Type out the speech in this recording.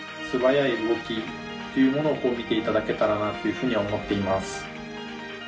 素早い動きというものを見ていただけたらなというふうには思っています。